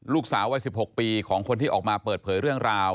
ลูกสาววัย๑๖ปีของคนที่ออกมาเปิดเผยเรื่องราว